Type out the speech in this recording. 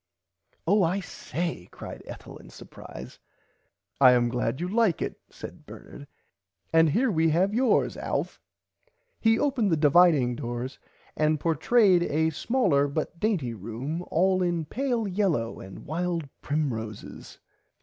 Oh I say cried Ethel in supprise. I am glad you like it said Bernard and here we have yours Alf. He opened [Pg 35] the dividing doors and portrayed a smaller but dainty room all in pale yellow and wild primroses.